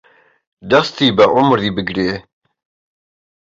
دەستی بە عومری بگرێ